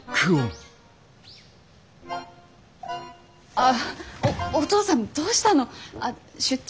ああお父さんどうしたの出張？